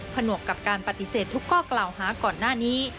หนวกกับการปฏิเสธทุกข้อกล่าวหาก่อนหน้านี้